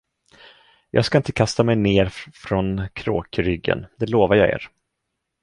Jag ska inte kasta mig ner från kråkryggen, det lovar jag er.